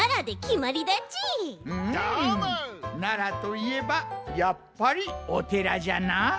奈良といえばやっぱりおてらじゃな。